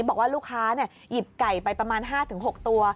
บอกว่าลูกค้าหยิบไก่ไปประมาณ๕๖ตัว